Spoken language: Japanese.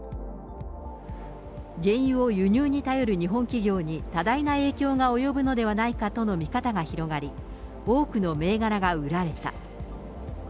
原油を輸入に頼る日本企業に、多大な影響が及ぶのではないかとの見方が広がり、多くの銘柄が売られた。